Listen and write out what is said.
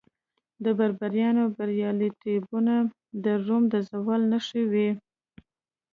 د بربریانو بریالیتوبونه د روم د زوال نښې وې